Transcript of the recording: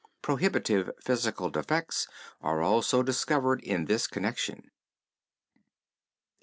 Prohibitive physical defects are also discovered in this connection.